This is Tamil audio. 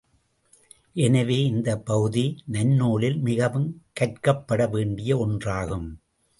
எனவே, இந்தப் பகுதி நன்னூலில் மிகவும் கற்கப்பட வேண்டிய ஒன்றாகும்.